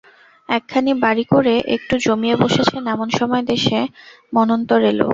একখানি বাড়ি করে একটু জমিয়ে বসেছেন এমন সময় দেশে মন্বন্তর এল।